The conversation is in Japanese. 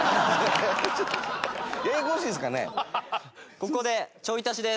ここでちょい足しです。